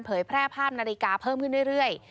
แพร่ภาพนาฬิกาเพิ่มขึ้นเรื่อย